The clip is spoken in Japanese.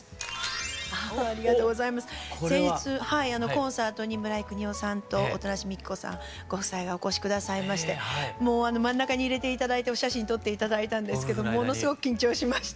コンサートに村井國夫さんと音無美紀子さんご夫妻がお越し下さいましてもう真ん中に入れて頂いてお写真撮って頂いたんですけどものすごく緊張しました。